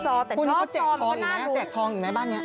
แต่กล้อมก็น่ารู้คู่นี้เค้าแจกทองอีกมั้ยแจกทองอีกมั้ยบ้านนี้